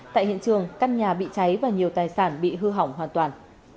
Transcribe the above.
tại hiện trường căn nhà bị cháy và nhiều tài sản bị hư hỏng hoàn toàn